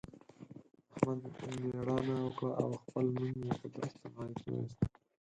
احمد مېړانه وکړه او خپل نوم يې په درسته نړۍ کې واېست.